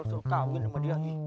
lu harus kawin sama si jambang